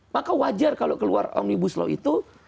maka wajar kalau keluar omnibus law itu